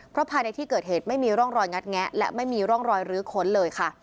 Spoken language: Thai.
เพราะภายในที่เกิดเหตุไม่มีร่องรอยงัดแงะและไม่มีร่องรอยลื้อค้นเลยค่ะ